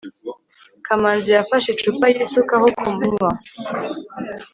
kamanzi yafashe icupa yisukaho kunywa